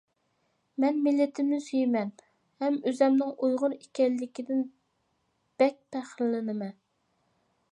مەن مىللىتىمنى سۆيىمەن ھەم ئۆزۈمنىڭ ئۇيغۇر ئىكەنلىكىدىن بەك پەخىرلىنىمەن.